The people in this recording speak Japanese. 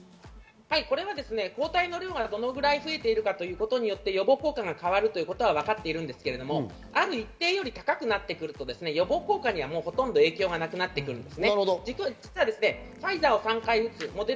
これは抗体の量がどれぐらいついているかということによって予防効果が変わるということがわかっていますが、一定以上高くなると予防効果にはほとんど影響がなくなります。